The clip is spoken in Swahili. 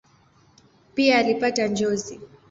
Pia alipata njozi.